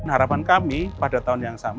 harapan kami pada tahun yang sama